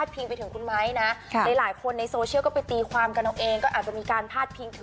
ออกตัวนิดนึงนะว่าคนที่พูดเรื่องพระเอกฟันเรียงชอบกินงู